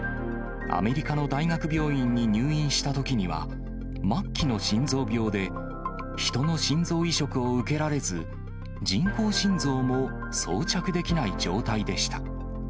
アメリカの大学病院に入院したときには、末期の心臓病で、ヒトの心臓移植を受けられず、人工心臓も装着できない状態でした。